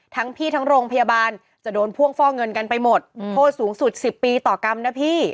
พี่ทั้งโรงพยาบาลจะโดนพ่วงฟอกเงินกันไปหมดโทษสูงสุด๑๐ปีต่อกรรมนะพี่